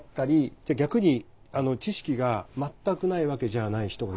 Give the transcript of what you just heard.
じゃあ逆に知識が全くないわけじゃない人が言う。